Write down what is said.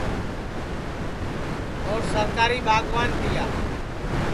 اور سرکاری ٻاگوان تِیا